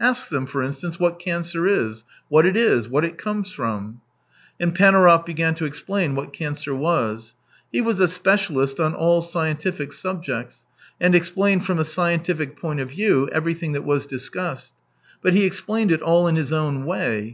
Ask them, for instance, what cancer is — what it is, what it comes from." And Panaurov began to explain what cancer was. He was a specialist on all scientific subjects, and e.xplained from a scientific point of view every thing that was discussed. But he explained it all in his own way.